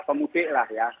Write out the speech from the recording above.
pemudik lah ya